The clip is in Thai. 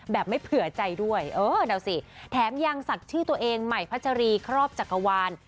ไม่เผื่อใจด้วยเออดูสิแถมยังศักดิ์ชื่อตัวเองใหม่พัชรีครอบจักรวาล